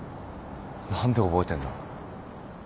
何で覚えてんだ？